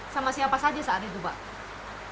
sama siapa saja saat itu pak